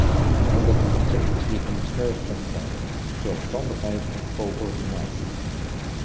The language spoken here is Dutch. Daarbij zijn twee begrippen erg centraal: zelfstandigheid en coördinatie.